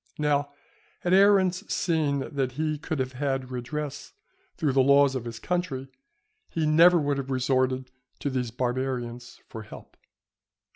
Now, had Aruns seen that he could have had redress through the laws of his country, he never would have resorted to these Barbarians for help.